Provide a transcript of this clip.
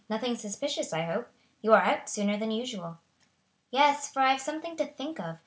Nothing suspicious, I hope? You are out sooner than usual." "Yes, for I have something to think of.